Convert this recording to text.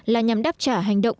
là nhằm đáp trả hành động